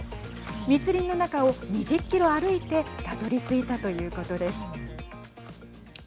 密林の中を２０キロ歩いてたどりついたということです。